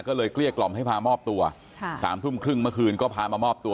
ก็เลยเกลี้ยกล่อมให้พามอบตัว๓ทุ่มครึ่งเมื่อคืนก็พามามอบตัว